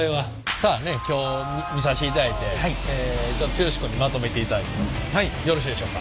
さあ今日見させていただいて剛君にまとめていただいてもよろしいでしょうか？